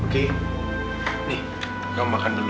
oke nih kamu makan dulu